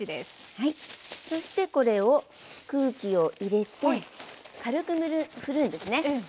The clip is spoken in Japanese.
そしてこれを空気を入れて軽く振るんですね。